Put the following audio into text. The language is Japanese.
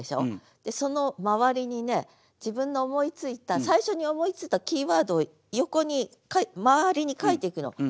でその周りにね自分の思いついた最初に思いついたキーワードを横に周りに書いていくの。